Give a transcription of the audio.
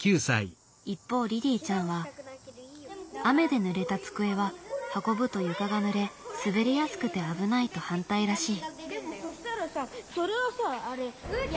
一方りりぃちゃんは雨でぬれた机は運ぶと床がぬれ滑りやすくて危ないと反対らしい。